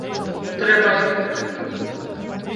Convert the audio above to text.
Трэба адчуць гэтую музыку!